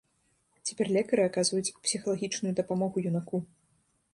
Цяпер лекары аказваюць псіхалагічную дапамогу юнаку.